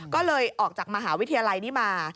ก็เลยออกจากมหาวิทยาลัยนี้มา